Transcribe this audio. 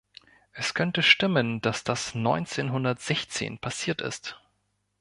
Es könnte stimmen, dass das neunzehnhundertsechszehn passiert ist.